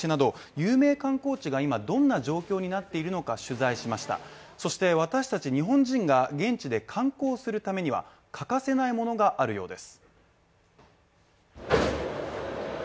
有名観光地が今どんな状況になっているのか取材しましたそして私達日本人が現地で観光するためには欠かせないものがあるようです。